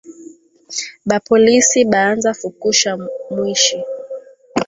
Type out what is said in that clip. Ba polisi baanza fukusha mwishi